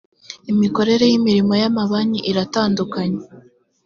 imikorere y imirimo y amabanki iratandukanye